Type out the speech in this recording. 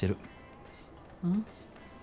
うん。